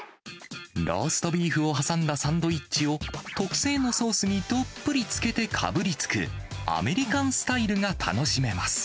ローストビーフを挟んだサンドイッチを、特製のソースにどっぷりつけてかぶりつく、アメリカンスタイルが楽しめます。